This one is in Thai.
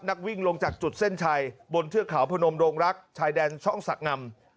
นักวิ่งลงจากจุดเส้นชัยบนเทือกเขาพนมโรงรักชายแดนช่องสะงำ